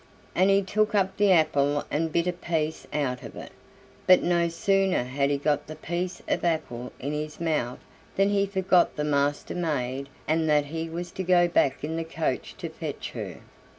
And he took up the apple and bit a piece out of it. But no sooner had he got the piece of apple in his mouth than he forgot the Master maid and that he was to go back in the coach to fetch her.